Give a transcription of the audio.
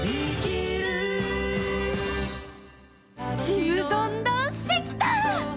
ちむどんどんしてきた！